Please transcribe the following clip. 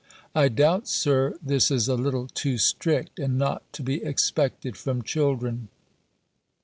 I doubt, Sir, this is a little too strict, and not to be expected from children.